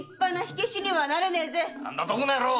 何だとこの野郎！